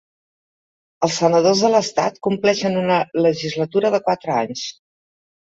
Els senadors de l'estat compleixen una legislatura de quatre anys.